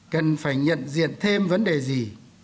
cần phải nhận diện thêm vấn đề gì